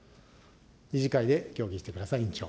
理事会で協議してください、委員長。